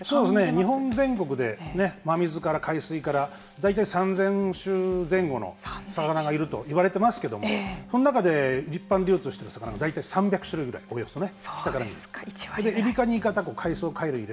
日本全国で真水から海水から大体３０００種前後の魚がいると言われてますけどもその中で立派に流通している魚が大体３００種類ぐらい、およそね。